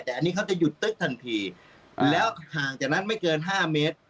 แต่อันนี้เขาจะหยุดตึ๊กทันทีแล้วห่างจากนั้นไม่เกิน๕เมตร